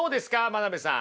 真鍋さん。